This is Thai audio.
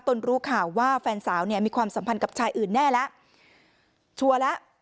รู้ข่าวว่าแฟนสาวเนี่ยมีความสัมพันธ์กับชายอื่นแน่แล้วชัวร์แล้ว